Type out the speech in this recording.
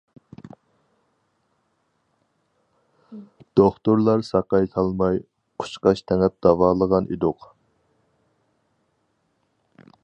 دوختۇرلار ساقايتالماي، قۇچقاچ تېڭىپ داۋالىغان ئىدۇق.